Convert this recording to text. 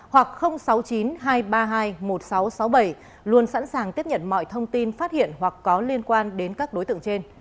hoặc sáu mươi chín hai trăm ba mươi hai một nghìn sáu trăm sáu mươi bảy luôn sẵn sàng tiếp nhận mọi thông tin phát hiện hoặc có liên quan đến các đối tượng trên